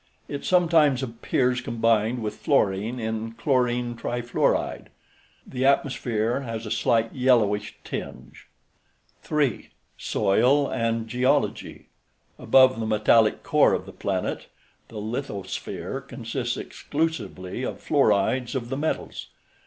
It sometimes appears combined with fluorine in chlorine trifluoride. The atmosphere has a slight yellowish tinge. 3. SOIL AND GEOLOGY Above the metallic core of the planet, the lithosphere consists exclusively of fluorides of the metals.